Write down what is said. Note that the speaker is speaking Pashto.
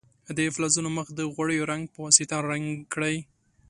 د فلزونو مخ د غوړیو رنګ په واسطه رنګ کړئ.